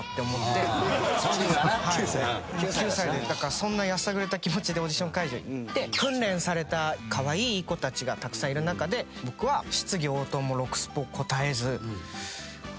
「そんなやさぐれた気持ちでオーディション会場行って」「訓練されたカワイイいい子たちがたくさんいる中で僕は質疑応答もろくすっぽ答えず」